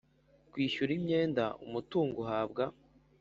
kwishyura imyenda umutungo uhabwa